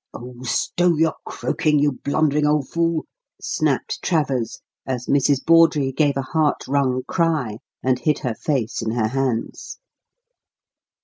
"Oh, stow your croaking, you blundering old fool!" snapped Travers, as Mrs. Bawdrey gave a heart wrung cry and hid her face in her hands.